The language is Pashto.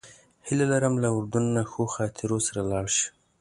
هیله لرم له اردن نه ښو خاطرو سره لاړ شئ.